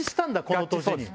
この年に。